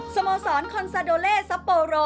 สโมสรคอนซาโดเลซัปโปโร